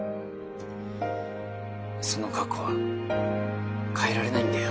その過去は変えられないんだよ。